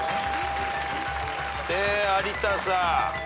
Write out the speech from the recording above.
で有田さん。